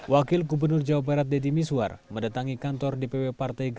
wakil gubernur jawa barat deddy miswar mendatangi kantor dpw partai gerindra